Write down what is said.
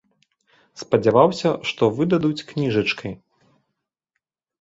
Спадзяваўся, што выдадуць кніжачкай.